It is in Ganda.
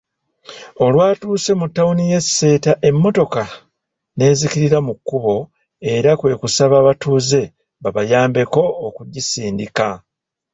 Olwatuuse mu ttawuni y'e Sseeta emmotoka ne zzikirira mu kkubo era kwekusaba abatuuze babayambeko okugisindika.